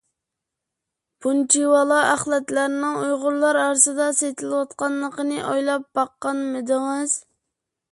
بۇنچىۋالا ئەخلەتلەرنىڭ ئۇيغۇرلار ئارىسىدا سېتىلىۋاتقانلىقىنى ئويلاپ باققانمىدىڭىز؟